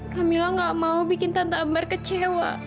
kamilah nggak mau bikin tante ambar kecewa